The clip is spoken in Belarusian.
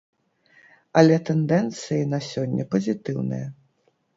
Але тэндэнцыі на сёння пазітыўныя.